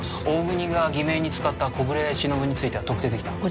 大國が偽名に使った小暮しのぶについては特定できた。